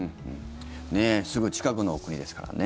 すぐ近くの国ですからね。